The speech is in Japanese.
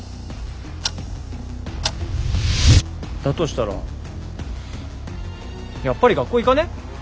だとしたらやっぱり学校行かね？